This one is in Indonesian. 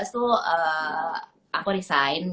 tuh aku resign